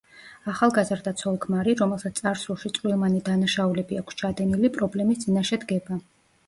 ახალგაზრდა ცოლ-ქმარი, რომელსაც წარსულში წვრილმანი დანაშაულები აქვს ჩადენილი, პრობლემის წინაშე დგება.